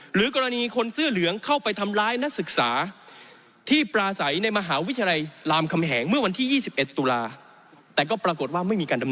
หรือกรณีคนเสื้อเหลืองเข้าไปทำร้ายนักศึกษา